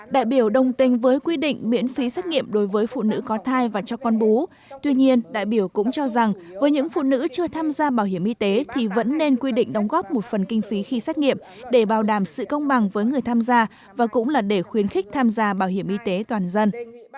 đại biểu đồng tình với quy định miễn phí xét nghiệm đối với phụ nữ có thai và cho con bú tuy nhiên đại biểu cũng cho rằng với những phụ nữ chưa tham gia bảo hiểm y tế thì vẫn nên quy định đóng góp một phần kinh phí khi xét nghiệm để bảo đảm sự công bằng với người tham gia và cũng là để khuyến khích tham gia bảo hiểm y tế toàn dân